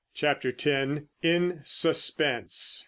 CHAPTER X. IN SUSPENSE.